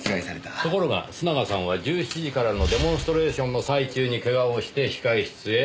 ところが須永さんは１７時からのデモンストレーションの最中にけがをして控室へ担ぎ込まれた。